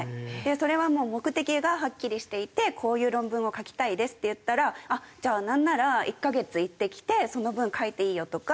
それはもう目的がはっきりしていてこういう論文を書きたいですって言ったらあっじゃあなんなら１カ月行ってきてその分書いていいよとか。